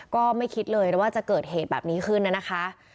ก็ไม่คิดเลยว่าจะเกิดเหตุแบบนี้ขึ้นนะคะ